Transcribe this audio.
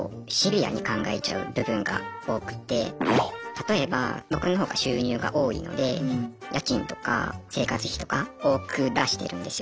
例えば僕の方が収入が多いので家賃とか生活費とか多く出してるんですよね。